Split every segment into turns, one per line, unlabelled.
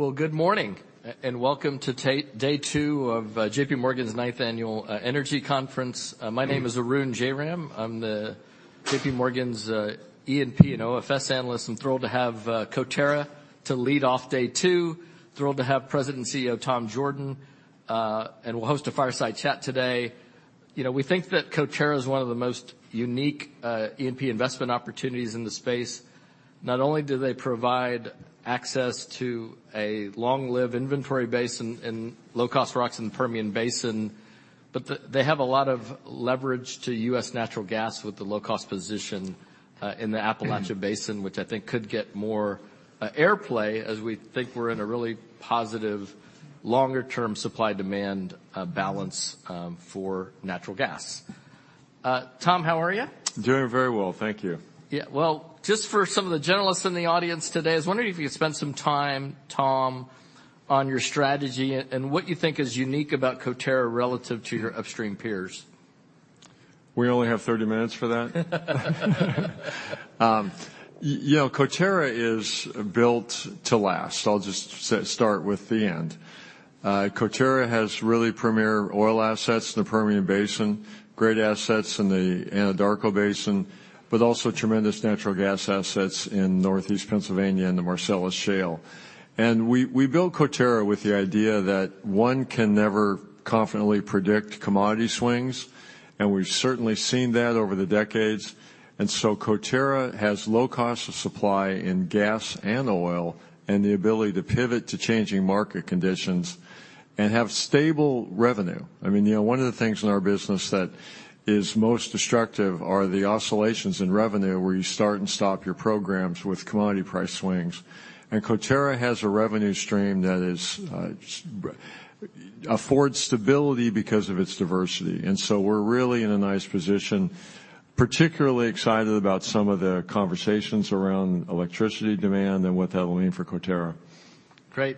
Well, good morning, and welcome to day two of JPMorgan's ninth annual energy conference. My name is Arun Jayaram. I'm JPMorgan's E&P and OFS analyst. I'm thrilled to have Coterra to lead off day two. Thrilled to have President and CEO Tom Jorden. We'll host a fireside chat today. You know, we think that Coterra is one of the most unique E&P investment opportunities in the space. Not only do they provide access to a long-lived inventory base in low-cost rocks in the Permian Basin, but they have a lot of leverage to U.S. natural gas with the low-cost position in the Appalachian Basin, which I think could get more airplay as we think we're in a really positive longer-term supply-demand balance for natural gas. Tom, how are you?
Doing very well, thank you.
Yeah, well, just for some of the generalists in the audience today, I was wondering if you could spend some time, Tom, on your strategy and what you think is unique about Coterra relative to your upstream peers?
We only have 30 minutes for that? You know, Coterra is built to last. I'll just start with the end. Coterra has really premier oil assets in the Permian Basin, great assets in the Anadarko Basin, but also tremendous natural gas assets in Northeast Pennsylvania and the Marcellus Shale. And we built Coterra with the idea that one can never confidently predict commodity swings, and we've certainly seen that over the decades. And so Coterra has low costs of supply in gas and oil and the ability to pivot to changing market conditions and have stable revenue. I mean, you know, one of the things in our business that is most destructive are the oscillations in revenue where you start and stop your programs with commodity price swings. And Coterra has a revenue stream that affords stability because of its diversity. We're really in a nice position, particularly excited about some of the conversations around electricity demand and what that will mean for Coterra.
Great.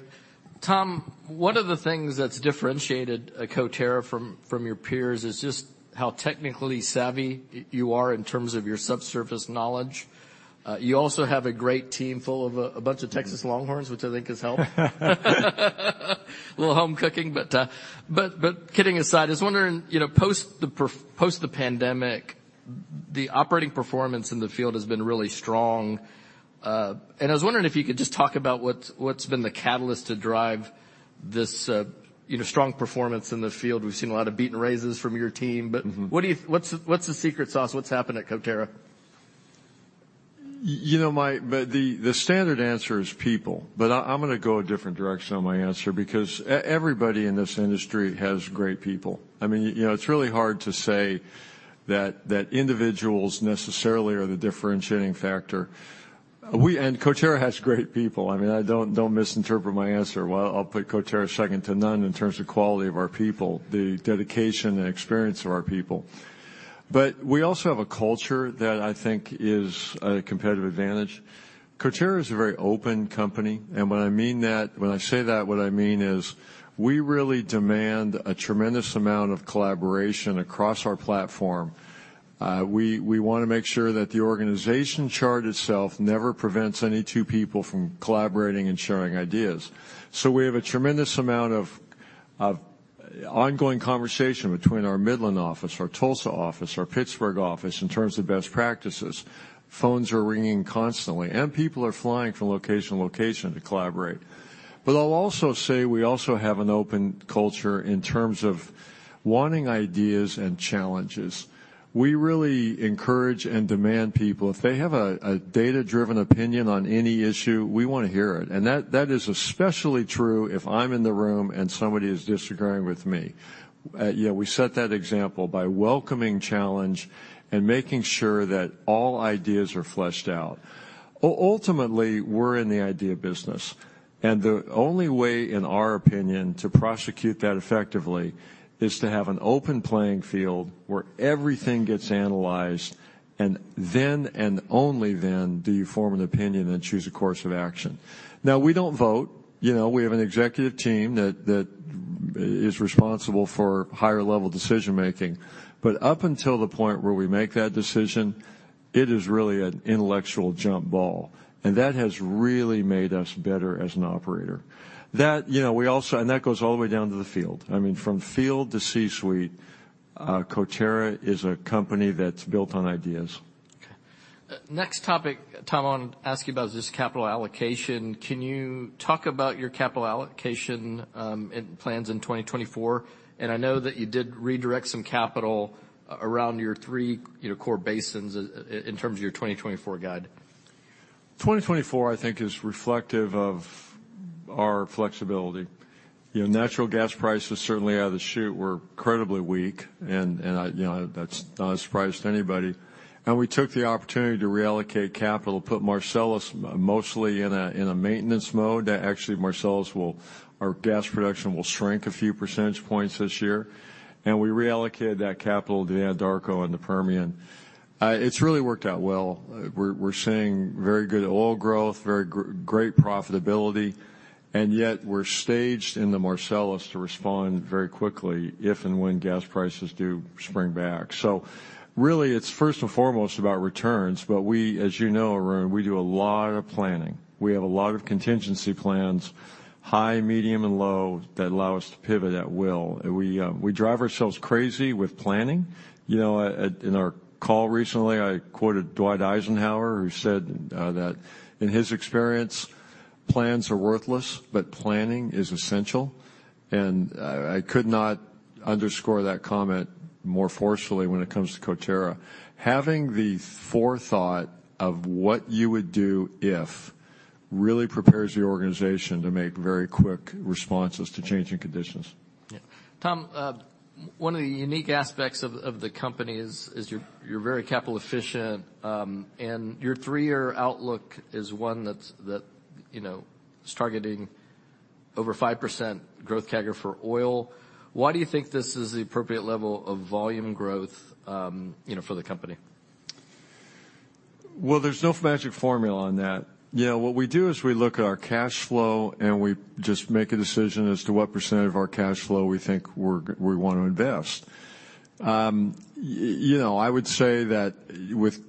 Tom, one of the things that's differentiated Coterra from your peers is just how technically savvy you are in terms of your subsurface knowledge. You also have a great team full of a bunch of Texas Longhorns, which I think has helped. A little home cooking, but kidding aside, I was wondering, you know, post the pandemic, the operating performance in the field has been really strong. And I was wondering if you could just talk about what's been the catalyst to drive this strong performance in the field. We've seen a lot of beat and raises from your team, but what's the secret sauce? What's happened at Coterra?
You know, Mike, the standard answer is people, but I'm going to go a different direction on my answer because everybody in this industry has great people. I mean, you know, it's really hard to say that individuals necessarily are the differentiating factor. Coterra has great people. I mean, don't misinterpret my answer. I'll put Coterra second to none in terms of quality of our people, the dedication and experience of our people. But we also have a culture that I think is a competitive advantage. Coterra is a very open company. And when I mean that, when I say that, what I mean is we really demand a tremendous amount of collaboration across our platform. We want to make sure that the organization chart itself never prevents any two people from collaborating and sharing ideas. So we have a tremendous amount of ongoing conversation between our Midland office, our Tulsa office, our Pittsburgh office in terms of best practices. Phones are ringing constantly, and people are flying from location to location to collaborate. But I'll also say we also have an open culture in terms of wanting ideas and challenges. We really encourage and demand people, if they have a data-driven opinion on any issue, we want to hear it. And that is especially true if I'm in the room and somebody is disagreeing with me. You know, we set that example by welcoming challenge and making sure that all ideas are fleshed out. Ultimately, we're in the idea business. And the only way, in our opinion, to prosecute that effectively is to have an open playing field where everything gets analyzed, and then and only then do you form an opinion and choose a course of action. Now, we don't vote. You know, we have an executive team that is responsible for higher-level decision-making. But up until the point where we make that decision, it is really an intellectual jump ball. And that has really made us better as an operator. That, you know, we also, and that goes all the way down to the field. I mean, from field to C-suite, Coterra is a company that's built on ideas.
Okay. Next topic, Tom, I want to ask you about is just capital allocation. Can you talk about your capital allocation plans in 2024? I know that you did redirect some capital around your three core basins in terms of your 2024 guide.
2024, I think, is reflective of our flexibility. You know, natural gas prices certainly out of the chute were incredibly weak, and you know, that's not a surprise to anybody. We took the opportunity to reallocate capital, put Marcellus mostly in a maintenance mode that actually Marcellus will, our gas production will shrink a few percentage points this year. We reallocated that capital to the Anadarko and the Permian. It's really worked out well. We're seeing very good oil growth, very great profitability. Yet we're staged in the Marcellus to respond very quickly if and when gas prices do spring back. So really, it's first and foremost about returns. But we, as you know, Arun, we do a lot of planning. We have a lot of contingency plans, high, medium, and low, that allow us to pivot at will. We drive ourselves crazy with planning. You know, in our call recently, I quoted Dwight Eisenhower, who said that in his experience, plans are worthless, but planning is essential. I could not underscore that comment more forcefully when it comes to Coterra. Having the forethought of what you would do if really prepares the organization to make very quick responses to changing conditions.
Yeah. Tom, one of the unique aspects of the company is you're very capital efficient, and your three-year outlook is one that's, you know, targeting over 5% growth CAGR for oil. Why do you think this is the appropriate level of volume growth, you know, for the company?
Well, there's no magic formula on that. You know, what we do is we look at our cash flow and we just make a decision as to what percent of our cash flow we think we want to invest. You know, I would say that with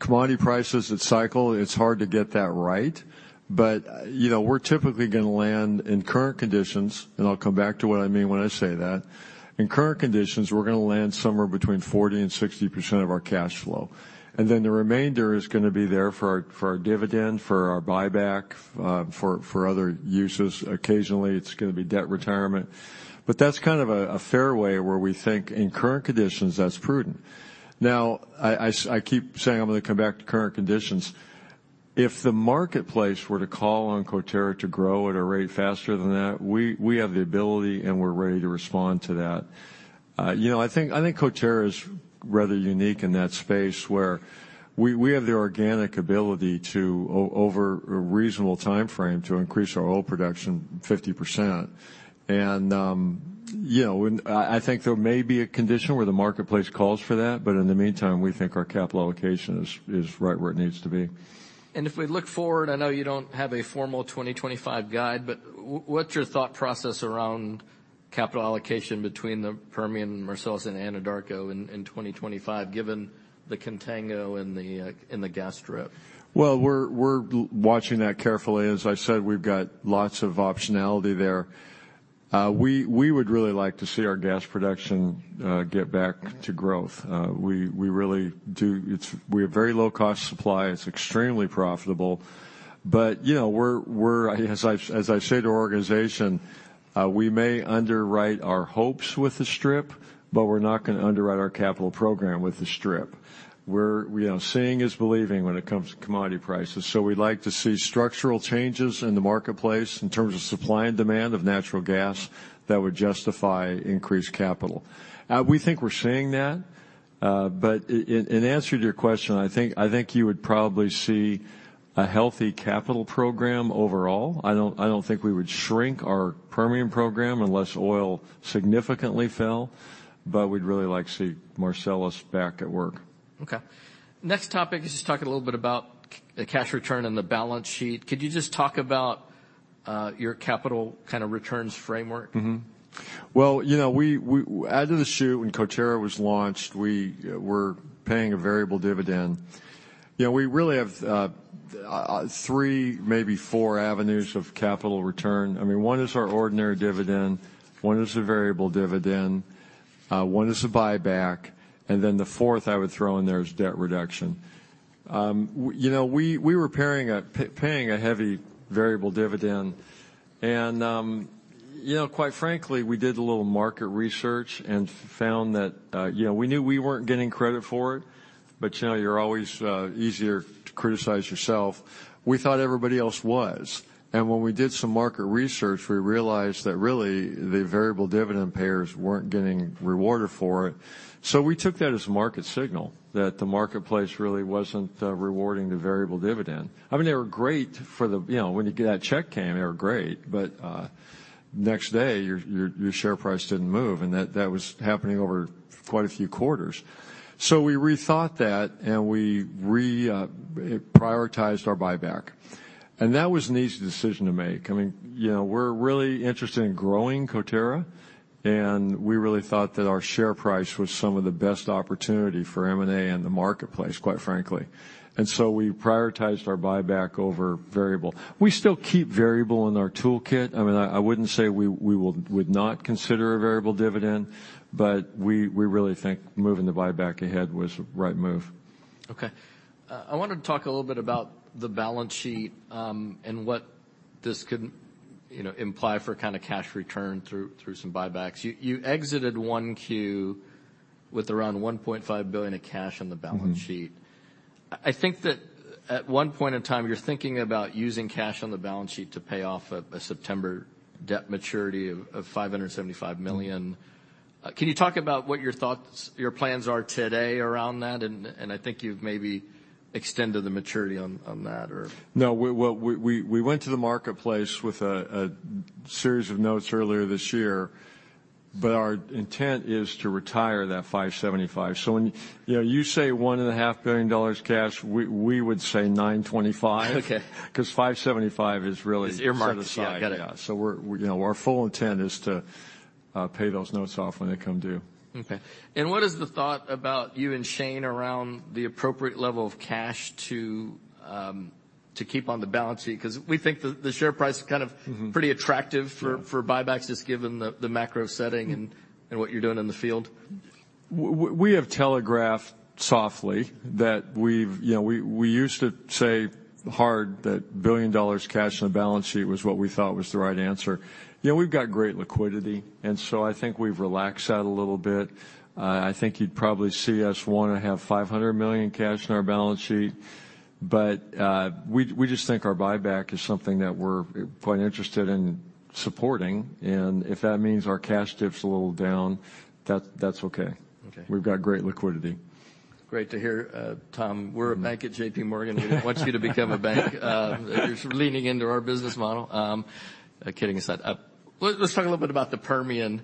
commodity prices that cycle, it's hard to get that right. But, you know, we're typically going to land in current conditions, and I'll come back to what I mean when I say that. In current conditions, we're going to land somewhere between 40%-60% of our cash flow. And then the remainder is going to be there for our dividend, for our buyback, for other uses. Occasionally, it's going to be debt retirement. But that's kind of a fair way where we think in current conditions that's prudent. Now, I keep saying I'm going to come back to current conditions. If the marketplace were to call on Coterra to grow at a rate faster than that, we have the ability and we're ready to respond to that. You know, I think Coterra is rather unique in that space where we have the organic ability to, over a reasonable timeframe, to increase our oil production 50%. And, you know, I think there may be a condition where the marketplace calls for that, but in the meantime, we think our capital allocation is right where it needs to be.
If we look forward, I know you don't have a formal 2025 guide, but what's your thought process around capital allocation between the Permian, Marcellus, and Anadarko in 2025, given the contango in the gas strip?
Well, we're watching that carefully. As I said, we've got lots of optionality there. We would really like to see our gas production get back to growth. We really do, we have very low-cost supply. It's extremely profitable. But, you know, as I say to our organization, we may underwrite our hopes with the strip, but we're not going to underwrite our capital program with the strip. We're, you know, seeing is believing when it comes to commodity prices. So we'd like to see structural changes in the marketplace in terms of supply and demand of natural gas that would justify increased capital. We think we're seeing that. But in answer to your question, I think you would probably see a healthy capital program overall. I don't think we would shrink our Permian program unless oil significantly fell, but we'd really like to see Marcellus back at work.
Okay. Next topic is just talking a little bit about cash return on the balance sheet. Could you just talk about your capital kind of returns framework?
Well, you know, we added the chute when Coterra was launched. We were paying a variable dividend. You know, we really have three, maybe four avenues of capital return. I mean, one is our ordinary dividend, one is a variable dividend, one is a buyback, and then the fourth I would throw in there is debt reduction. You know, we were paying a heavy variable dividend. And, you know, quite frankly, we did a little market research and found that, you know, we knew we weren't getting credit for it, but, you know, you're always easier to criticize yourself. We thought everybody else was. And when we did some market research, we realized that really the variable dividend payers weren't getting rewarded for it. So we took that as a market signal that the marketplace really wasn't rewarding the variable dividend. I mean, they were great for the, you know, when you get that check came. They were great, but next day your share price didn't move, and that was happening over quite a few quarters. We rethought that and we re-prioritized our buyback. That was an easy decision to make. I mean, you know, we're really interested in growing Coterra, and we really thought that our share price was some of the best opportunity for M&A in the marketplace, quite frankly. We prioritized our buyback over variable. We still keep variable in our toolkit. I mean, I wouldn't say we would not consider a variable dividend, but we really think moving the buyback ahead was the right move.
Okay. I wanted to talk a little bit about the balance sheet and what this could, you know, imply for kind of cash return through some buybacks. You exited 1Q with around $1.5 billion of cash on the balance sheet. I think that at one point in time, you're thinking about using cash on the balance sheet to pay off a September debt maturity of $575 million. Can you talk about what your thoughts, your plans are today around that? And I think you've maybe extended the maturity on that or.
No, well, we went to the marketplace with a series of notes earlier this year, but our intent is to retire that $575 million. So when you say $1.5 billion cash, we would say $925 million because $575 million is really.
Is earmarked aside.
Yeah. So we're, you know, our full intent is to pay those notes off when they come due.
Okay. And what is the thought about you and Shane around the appropriate level of cash to keep on the balance sheet? Because we think the share price is kind of pretty attractive for buybacks just given the macro setting and what you're doing in the field.
We have telegraphed softly that we've, you know, we used to say hard that $1 billion cash on the balance sheet was what we thought was the right answer. You know, we've got great liquidity, and so I think we've relaxed that a little bit. I think you'd probably see us want to have $500 million cash on our balance sheet, but we just think our buyback is something that we're quite interested in supporting. And if that means our cash dips a little down, that's okay. We've got great liquidity.
Great to hear, Tom. We're a bank at JPMorgan. We want you to become a bank. You're sort of leaning into our business model. Kidding aside, let's talk a little bit about the Permian.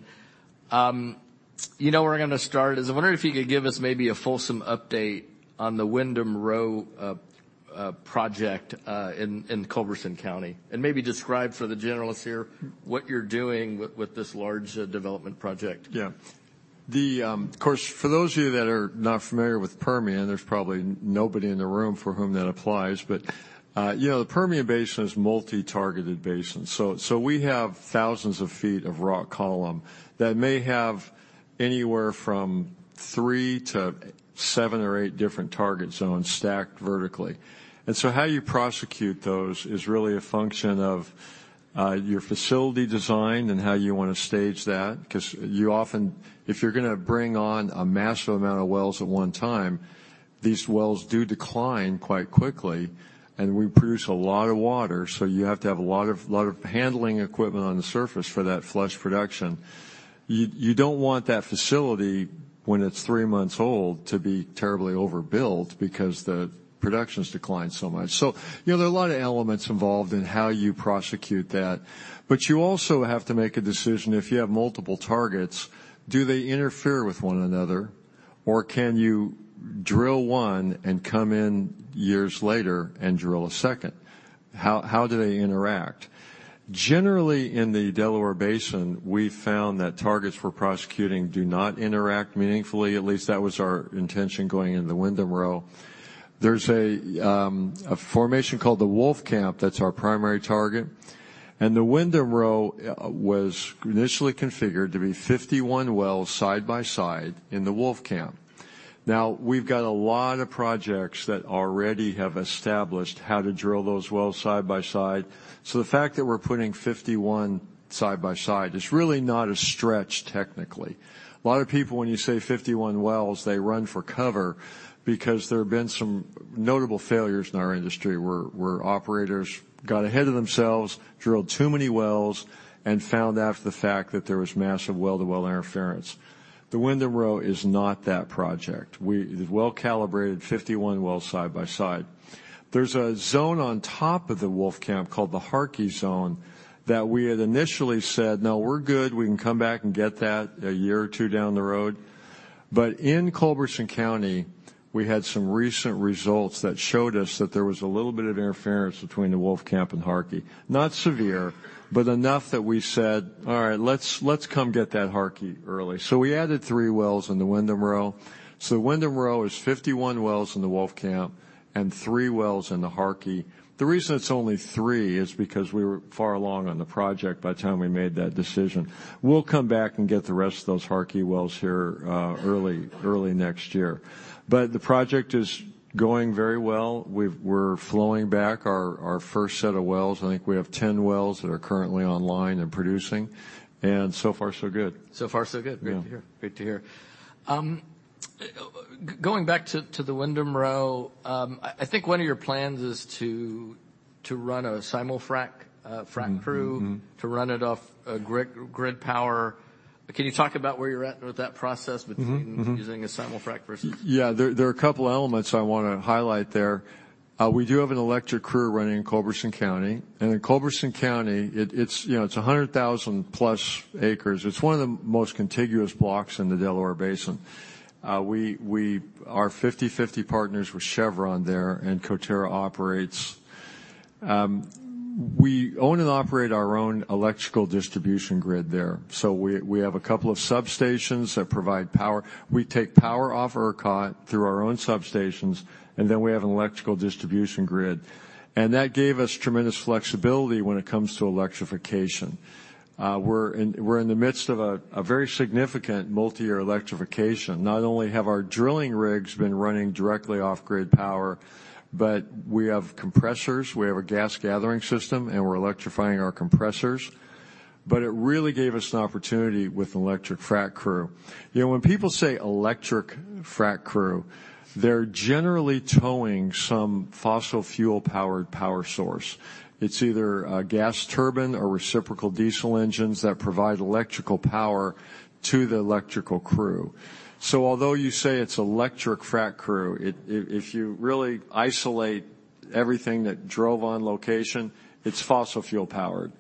You know, we're going to start, as I wonder if you could give us maybe a fulsome update on the Windham Row project in Culberson County and maybe describe for the generalists here what you're doing with this large development project.
Yeah. Of course, for those of you that are not familiar with Permian, there's probably nobody in the room for whom that applies, but, you know, the Permian Basin is a multi-targeted basin. So we have thousands of feet of rock column that may have anywhere from three to seven or eight different target zones stacked vertically. And so how you prosecute those is really a function of your facility design and how you want to stage that. Because you often, if you're going to bring on a massive amount of wells at one time, these wells do decline quite quickly. And we produce a lot of water, so you have to have a lot of handling equipment on the surface for that flush production. You don't want that facility, when it's three months old, to be terribly overbuilt because the production's declined so much. So, you know, there are a lot of elements involved in how you prosecute that. But you also have to make a decision if you have multiple targets, do they interfere with one another, or can you drill one and come in years later and drill a second? How do they interact? Generally, in the Delaware Basin, we found that targets for prosecuting do not interact meaningfully. At least that was our intention going into the Windham Row. There's a formation called the Wolfcamp that's our primary target. And the Windham Row was initially configured to be 51 wells side by side in the Wolfcamp. Now, we've got a lot of projects that already have established how to drill those wells side by side. So the fact that we're putting 51 side by side is really not a stretch technically. A lot of people, when you say 51 wells, they run for cover because there have been some notable failures in our industry where operators got ahead of themselves, drilled too many wells, and found after the fact that there was massive well-to-well interference. The Windham Row is not that project. We well calibrated 51 wells side by side. There's a zone on top of the Wolfcamp called the Harkey Zone that we had initially said, no, we're good, we can come back and get that a year or two down the road. But in Culberson County, we had some recent results that showed us that there was a little bit of interference between the Wolfcamp and Harkey. Not severe, but enough that we said, all right, let's come get that Harkey early. So we added three wells in the Windham Row. So the Windham Row is 51 wells in the Wolfcamp and three wells in the Harkey. The reason it's only three is because we were far along on the project by the time we made that decision. We'll come back and get the rest of those Harkey wells here early next year. But the project is going very well. We're flowing back our first set of wells. I think we have 10 wells that are currently online and producing. And so far, so good.
So far, so good. Great to hear. Great to hear. Going back to the Windham Row, I think one of your plans is to run a simul-frac crew to run it off grid power. Can you talk about where you're at with that process between using a simul-frac versus?
Yeah, there are a couple of elements I want to highlight there. We do have an electric crew running in Culberson County. In Culberson County, it's 100,000+ acres. It's one of the most contiguous blocks in the Delaware Basin. We are 50/50 partners with Chevron there, and Coterra operates. We own and operate our own electrical distribution grid there. So we have a couple of substations that provide power. We take power off ERCOT through our own substations, and then we have an electrical distribution grid. That gave us tremendous flexibility when it comes to electrification. We're in the midst of a very significant multi-year electrification. Not only have our drilling rigs been running directly off grid power, but we have compressors. We have a gas gathering system, and we're electrifying our compressors. But it really gave us an opportunity with an electric frac crew. You know, when people say electric frac crew, they're generally towing some fossil fuel-powered power source. It's either a gas turbine or reciprocating diesel engines that provide electrical power to the electrical crew. So although you say it's electric frac crew, if you really isolate everything that drove on location, it's fossil fuel-powered.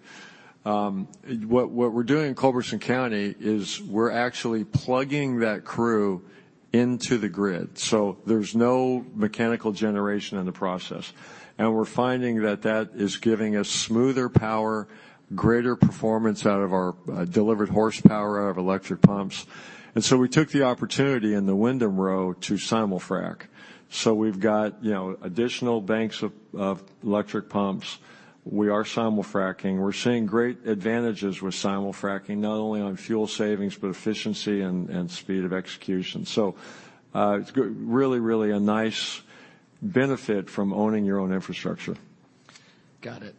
What we're doing in Culberson County is we're actually plugging that crew into the grid. So there's no mechanical generation in the process. And we're finding that that is giving us smoother power, greater performance out of our delivered horsepower out of electric pumps. And so we took the opportunity in the Windham Row to simul-frac. So we've got, you know, additional banks of electric pumps. We are simul fracking. We're seeing great advantages with simul fracking, not only on fuel savings, but efficiency and speed of execution. It's really, really a nice benefit from owning your own infrastructure.
Got it.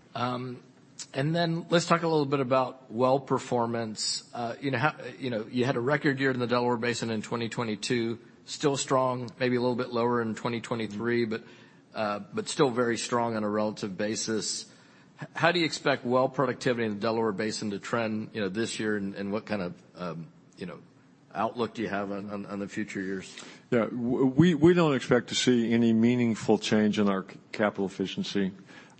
And then let's talk a little bit about well performance. You know, you had a record year in the Delaware Basin in 2022, still strong, maybe a little bit lower in 2023, but still very strong on a relative basis. How do you expect well productivity in the Delaware Basin to trend, you know, this year? And what kind of, you know, outlook do you have on the future years?
Yeah, we don't expect to see any meaningful change in our capital efficiency.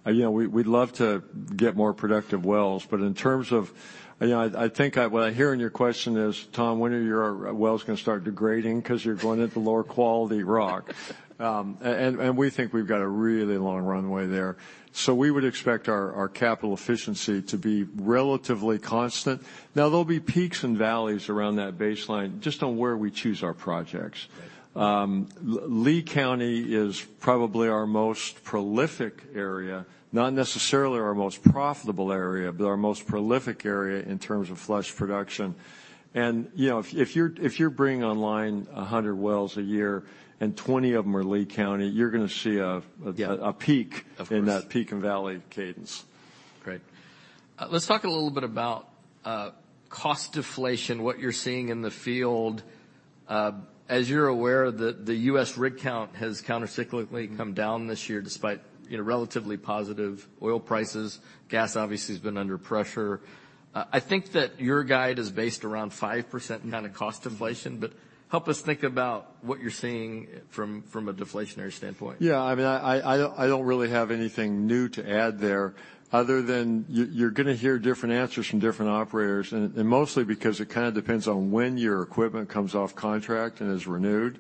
You know, we'd love to get more productive wells, but in terms of, you know, I think what I hear in your question is, Tom, when are your wells going to start degrading? Because you're going into lower quality rock. And we think we've got a really long runway there. So we would expect our capital efficiency to be relatively constant. Now, there'll be peaks and valleys around that baseline, just on where we choose our projects. Lea County is probably our most prolific area, not necessarily our most profitable area, but our most prolific area in terms of flush production. And, you know, if you're bringing online 100 wells a year and 20 of them are Lea County, you're going to see a peak in that peak and valley cadence.
Great. Let's talk a little bit about cost deflation, what you're seeing in the field. As you're aware, the U.S. rig count has countercyclically come down this year despite, you know, relatively positive oil prices. Gas obviously has been under pressure. I think that your guide is based around 5% in kind of cost inflation, but help us think about what you're seeing from a deflationary standpoint.
Yeah, I mean, I don't really have anything new to add there other than you're going to hear different answers from different operators, and mostly because it kind of depends on when your equipment comes off contract and is renewed.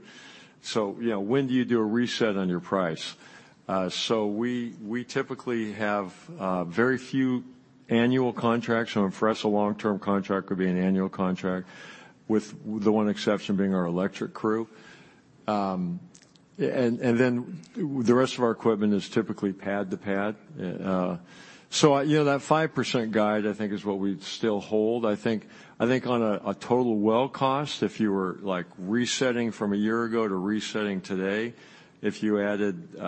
So, you know, when do you do a reset on your price? So we typically have very few annual contracts. For us, a long-term contract would be an annual contract, with the one exception being our electric crew. And then the rest of our equipment is typically pad to pad. So, you know, that 5% guide I think is what we still hold. I think on a total well cost, if you were like resetting from a year ago to resetting today, if you added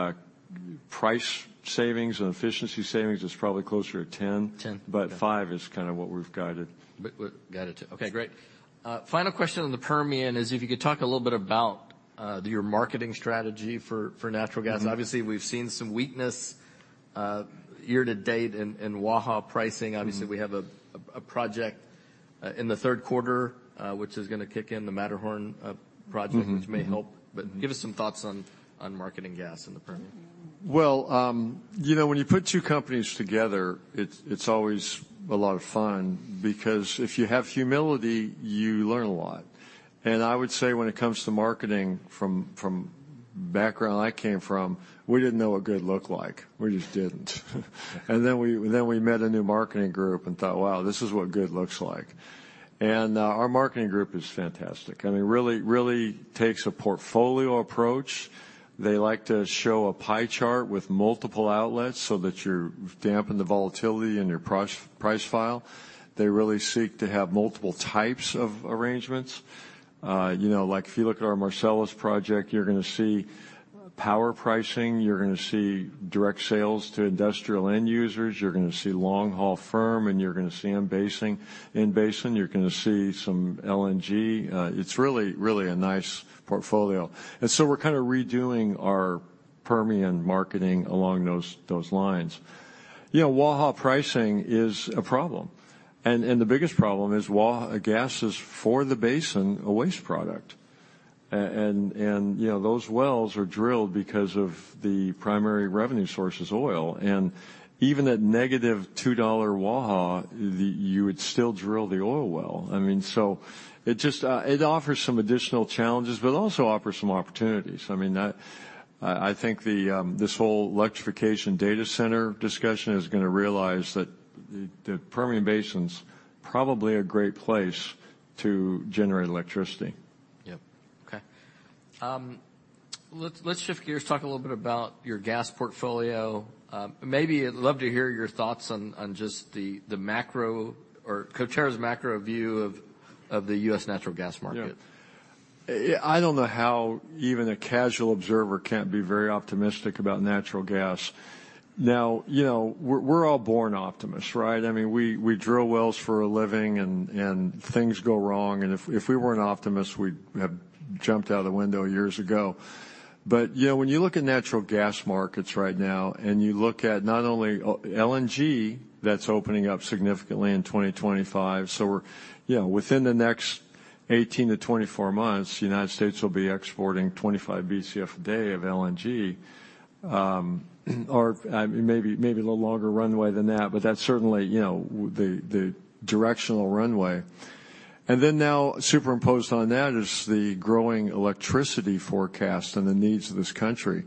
price savings and efficiency savings, it's probably closer to 10, but five is kind of what we've guided.
Okay, great. Final question on the Permian is if you could talk a little bit about your marketing strategy for natural gas. Obviously, we've seen some weakness year to date in Waha pricing. Obviously, we have a project in the third quarter, which is going to kick in the Matterhorn project, which may help. But give us some thoughts on marketing gas in the Permian.
Well, you know, when you put two companies together, it's always a lot of fun because if you have humility, you learn a lot. And I would say when it comes to marketing from background I came from, we didn't know what good looked like. We just didn't. And then we met a new marketing group and thought, wow, this is what good looks like. And our marketing group is fantastic. I mean, really takes a portfolio approach. They like to show a pie chart with multiple outlets so that you're dampening the volatility in your price file. They really seek to have multiple types of arrangements. You know, like if you look at our Marcellus project, you're going to see power pricing. You're going to see direct sales to industrial end users. You're going to see long-haul firm, and you're going to see in basin. You're going to see some LNG. It's really, really a nice portfolio. And so we're kind of redoing our Permian marketing along those lines. You know, Waha pricing is a problem. And the biggest problem is Waha gas is for the basin, a waste product. And, you know, those wells are drilled because of the primary revenue source is oil. And even at -$2 Waha, you would still drill the oil well. I mean, so it just offers some additional challenges, but also offers some opportunities. I mean, I think this whole electrification data center discussion is going to realize that the Permian Basin's probably a great place to generate electricity.
Yep. Okay. Let's shift gears, talk a little bit about your gas portfolio. Maybe I'd love to hear your thoughts on just the macro or Coterra's macro view of the U.S. natural gas market.
I don't know how even a casual observer can't be very optimistic about natural gas. Now, you know, we're all born optimists, right? I mean, we drill wells for a living, and things go wrong. And if we weren't optimists, we'd have jumped out of the window years ago. But, you know, when you look at natural gas markets right now, and you look at not only LNG that's opening up significantly in 2025, so we're, you know, within the next 18-24 months, the United States will be exporting 25 Bcf a day of LNG, or maybe a little longer runway than that, but that's certainly, you know, the directional runway. And then now superimposed on that is the growing electricity forecast and the needs of this country.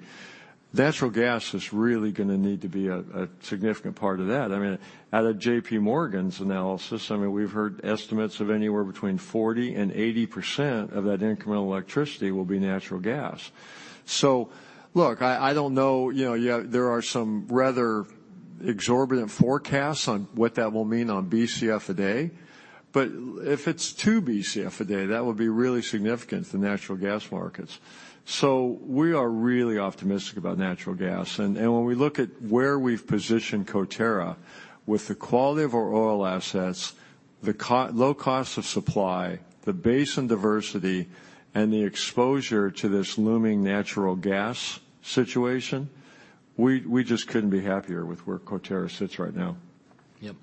Natural gas is really going to need to be a significant part of that. I mean, out of J.P. Morgan's analysis, I mean, we've heard estimates of anywhere between 40%-80% of that incremental electricity will be natural gas. So, look, I don't know, you know, there are some rather exorbitant forecasts on what that will mean on Bcf a day, but if it's 2 Bcf a day, that would be really significant to the natural gas markets. So we are really optimistic about natural gas. And when we look at where we've positioned Coterra with the quality of our oil assets, the low cost of supply, the basin diversity, and the exposure to this looming natural gas situation, we just couldn't be happier with where Coterra sits right now.
Yep.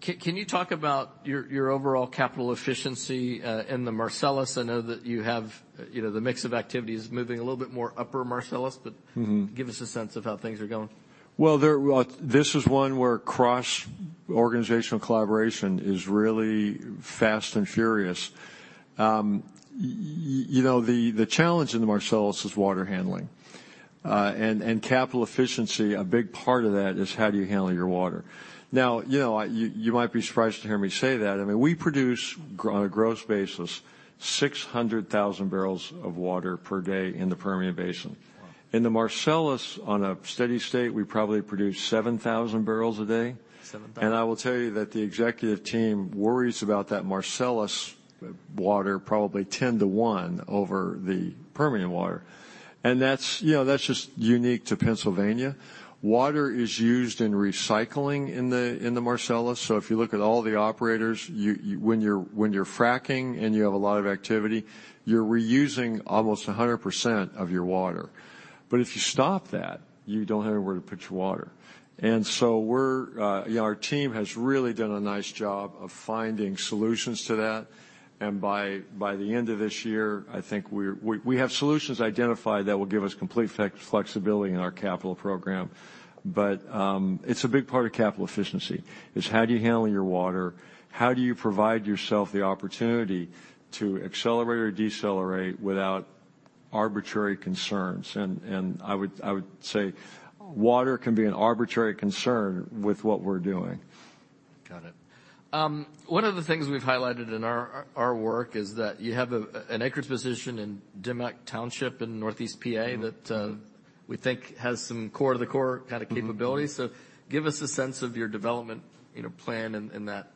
Can you talk about your overall capital efficiency in the Marcellus? I know that you have, you know, the mix of activities moving a little bit more Upper Marcellus, but give us a sense of how things are going?
Well, this is one where cross-organizational collaboration is really fast and furious. You know, the challenge in the Marcellus is water handling. And capital efficiency, a big part of that is how do you handle your water. Now, you know, you might be surprised to hear me say that. I mean, we produce on a gross basis 600,000 barrels of water per day in the Permian Basin. In the Marcellus, on a steady state, we probably produce 7,000 barrels a day. And I will tell you that the executive team worries about that Marcellus water probably 10 to one over the Permian water. And that's, you know, that's just unique to Pennsylvania. Water is used in recycling in the Marcellus. So if you look at all the operators, when you're fracking and you have a lot of activity, you're reusing almost 100% of your water. But if you stop that, you don't have anywhere to put your water. And so we're, you know, our team has really done a nice job of finding solutions to that. And by the end of this year, I think we have solutions identified that will give us complete flexibility in our capital program. But it's a big part of capital efficiency is how do you handle your water? How do you provide yourself the opportunity to accelerate or decelerate without arbitrary concerns? And I would say water can be an arbitrary concern with what we're doing.
Got it. One of the things we've highlighted in our work is that you have an acreage position in Dimock Township in Northeast PA that we think has some core to the core kind of capabilities. So give us a sense of your development, you know, plan in that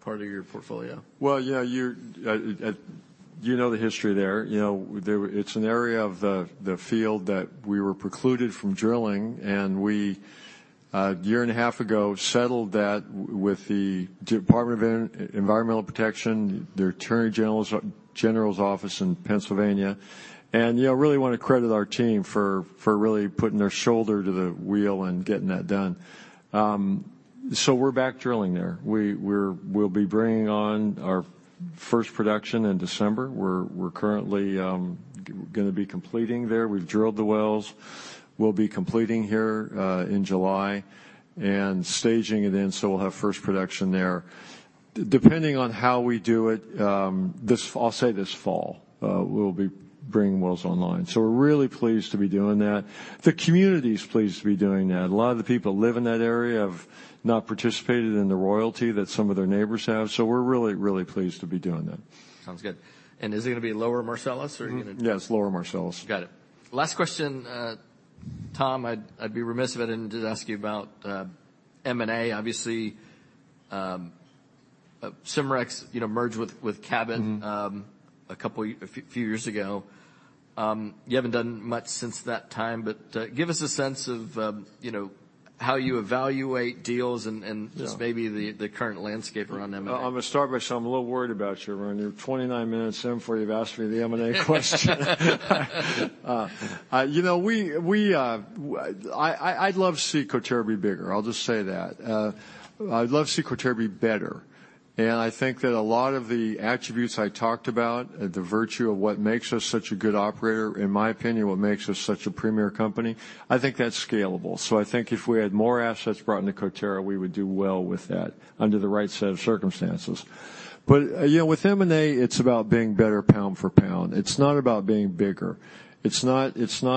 part of your portfolio.
Well, yeah, you know the history there. You know, it's an area of the field that we were precluded from drilling, and we, 1.5 years ago, settled that with the Department of Environmental Protection, their Attorney General's office in Pennsylvania. And, you know, really want to credit our team for really putting their shoulder to the wheel and getting that done. So we're back drilling there. We'll be bringing on our first production in December. We're currently going to be completing there. We've drilled the wells. We'll be completing here in July and staging it in, so we'll have first production there. Depending on how we do it, I'll say this fall, we'll be bringing wells online. So we're really pleased to be doing that. The community is pleased to be doing that. A lot of the people live in that area, have not participated in the royalty that some of their neighbors have. So we're really, really pleased to be doing that.
Sounds good. Is it going to be Lower Marcellus or are you going to?
Yeah, it's Lower Marcellus.
Got it. Last question, Tom, I'd be remiss if I didn't just ask you about M&A. Obviously, Cimarex, you know, merged with Cabot a couple of few years ago. You haven't done much since that time, but give us a sense of, you know, how you evaluate deals and just maybe the current landscape around M&A.
I'm going to start by saying I'm a little worried about you, Arun. You're 29 minutes in before you've asked me the M&A question. You know, I'd love to see Coterra be bigger. I'll just say that. I'd love to see Coterra be better. And I think that a lot of the attributes I talked about, the virtue of what makes us such a good operator, in my opinion, what makes us such a good operator, in my opinion, what makes us such a premier company, I think that's scalable. So I think if we had more assets brought into Coterra, we would do well with that under the right set of circumstances. But, you know, with M&A, it's about being better pound for pound. It's not about being bigger. It's not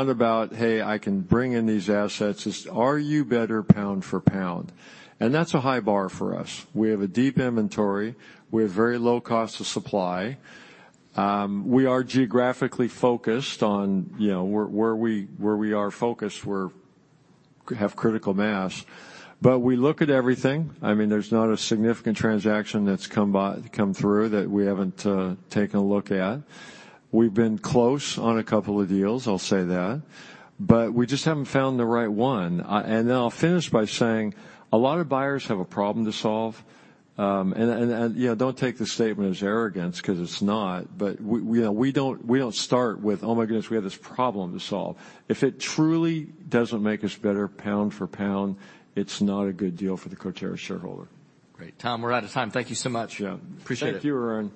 about, hey, I can bring in these assets. It's, are you better pound for pound? And that's a high bar for us. We have a deep inventory. We have very low cost of supply. We are geographically focused on, you know, where we are focused, we have critical mass. But we look at everything. I mean, there's not a significant transaction that's come through that we haven't taken a look at. We've been close on a couple of deals, I'll say that. But we just haven't found the right one. And then I'll finish by saying a lot of buyers have a problem to solve. And, you know, don't take the statement as arrogance because it's not, but, you know, we don't start with, oh my goodness, we have this problem to solve. If it truly doesn't make us better pound for pound, it's not a good deal for the Coterra shareholder.
Great. Tom, we're out of time. Thank you so much.
Yeah.
Appreciate it.
Thank you, Arun.